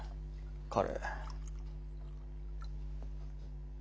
彼。